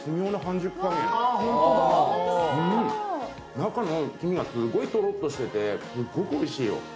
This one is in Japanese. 中の黄身がとろっとしててすっごくおいしいよ。